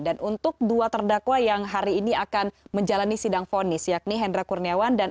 dan untuk dua terdakwa yang hari ini akan menjalani sidang fonis yakni hendra kurniawan dan